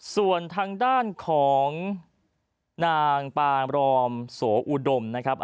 ส่วนทางด้านของนางปามรอมโสอุดมนะครับ